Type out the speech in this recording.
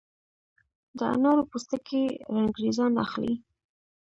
د انارو پوستکي رنګریزان اخلي؟